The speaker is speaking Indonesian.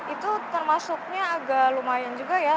itu termasuknya agak lumayan juga ya